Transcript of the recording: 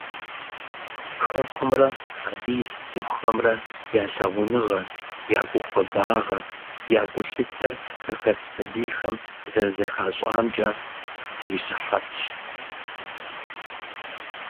Хэкумрэ, абы ис цӏыхухэмрэ я лъагъуныгъэр, я гухуабагъэр, я гулъытэр хэхэс сабийхэм зэрызэхащӏамкӏэ срищыхьэтщ.